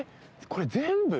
これ全部？